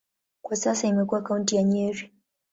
Kwa sasa imekuwa kaunti ya Nyeri.